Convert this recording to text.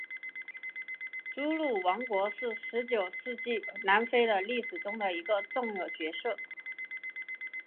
祖鲁王国是十九世纪南非的历史中的一个重要角色。